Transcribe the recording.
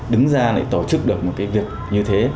đứng ra để tổ chức được một cái việc như thế